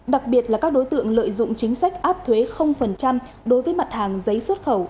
đặc biệt là các đối tượng lợi dụng chính sách áp thuế đối với mặt hàng giấy xuất khẩu